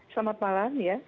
selamat malam ya